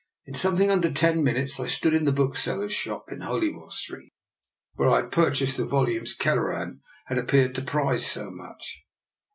In something under ten minutes I stood in the bookseller's shop in Holywell Street where I had purchased the volumes Kelleran had appeared to prize so much.